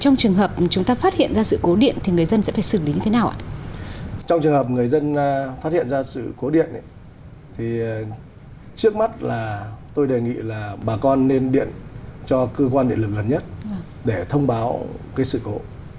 người dân phát hiện ra sự cố điện thì trước mắt là tôi đề nghị là bà con nên điện cho cơ quan địa lực gần nhất để thông báo cái sự cố